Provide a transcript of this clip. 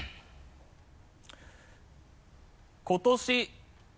今年。